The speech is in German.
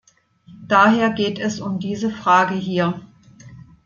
Daher geht es um diese Frage hier.